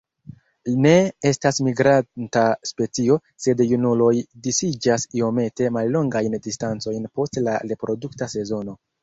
Ne estas migranta specio, sed junuloj disiĝas iomete mallongajn distancojn post la reprodukta sezono.